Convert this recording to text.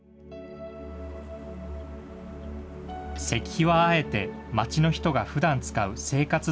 石碑はあえて町の人がふだん使う生活